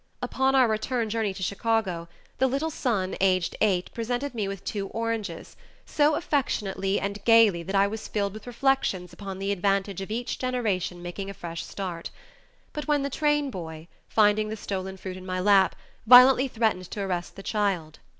Upon our return journey to Chicago, the little son aged eight presented me with two oranges, so affectionately and gayly that I was filled with reflections upon the advantage of each generation making a fresh start, when the train boy, finding the stolen fruit in my lap, violently threatened to arrest the child.